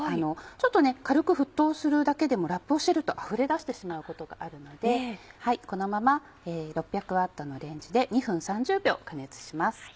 ちょっと軽く沸騰するだけでもラップをしてるとあふれ出してしまうことがあるのでこのまま６００Ｗのレンジで２分３０秒加熱します。